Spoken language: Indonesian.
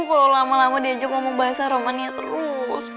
kalau lama lama diajak ngomong bahasa romania terus